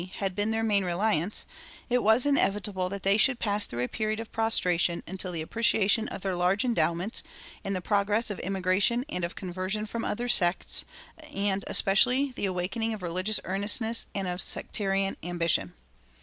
had been their main reliance, it was inevitable that they should pass through a period of prostration until the appreciation of their large endowments, and the progress of immigration and of conversion from other sects, and especially the awakening of religious earnestness and of sectarian ambition.